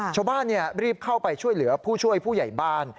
ชาวบ้านรีบเข้าไปช่วยเหลือผู้ช่วยผู้ใหญ่บ้าน